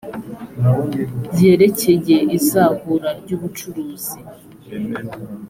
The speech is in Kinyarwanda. yerekeye izahura ry ubucuruzi